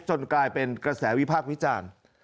กลายเป็นกระแสวิพากษ์วิจารณ์